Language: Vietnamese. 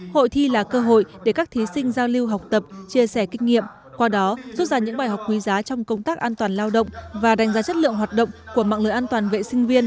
hội thi là cơ hội để các thí sinh giao lưu học tập chia sẻ kinh nghiệm qua đó rút ra những bài học quý giá trong công tác an toàn lao động và đánh giá chất lượng hoạt động của mạng lưới an toàn vệ sinh viên